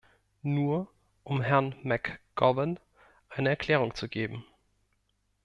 Nur um Herrn McGowan eine Erklärung zu geben.